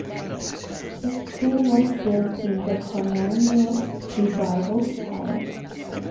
The school was built in the Colonial Revival style.